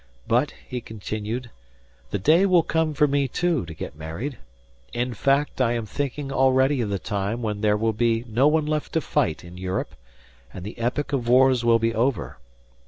But, he continued, "the day will come for me, too, to get married. In fact, I am thinking already of the time when there will be no one left to fight in Europe, and the epoch of wars will be over.